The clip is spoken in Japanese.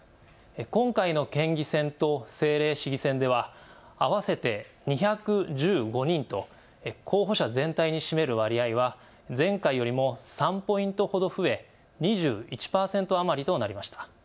今回の県議選と政令市議選では合わせて２１５人と候補者全体に占める割合は前回よりも３ポイントほど増え２１％余りとなりました。